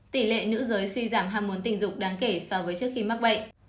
tỷ lệ nữ giới suy giảm ham muốn tình dục đáng kể so với trước khi mắc bệnh